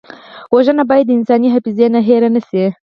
وژنه باید د انساني حافظې نه هېره نه شي